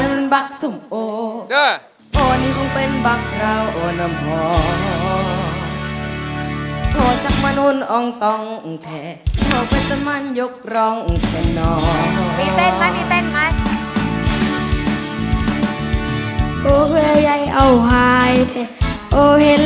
มีเต้นไหมมีเต้นไหม